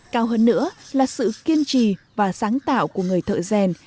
cao hơn nữa là sự kiên trì và sáng tạo của người thợ rèn